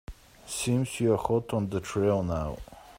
Seems you're hot on the trail now.